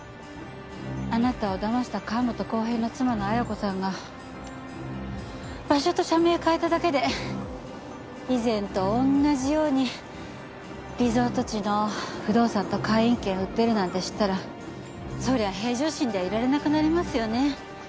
あなたをだました川本浩平の妻の綾子さんが場所と社名を変えただけで以前と同じようにリゾート地の不動産と会員権売ってるなんて知ったらそりゃ平常心ではいられなくなりますよね。